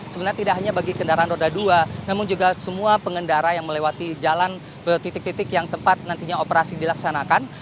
sebenarnya tidak hanya bagi kendaraan roda dua namun juga semua pengendara yang melewati jalan ke titik titik yang tempat nantinya operasi dilaksanakan